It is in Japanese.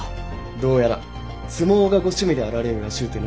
どうやら相撲がご趣味であられるらしうての。